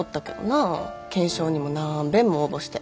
懸賞にも何べんも応募して。